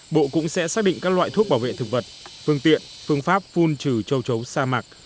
bộ cũng sẽ xác định các loại thuốc bảo vệ thực vật phương tiện phương pháp phun trừ châu chấu sa mạc